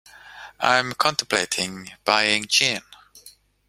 I’m contemplating buying gin.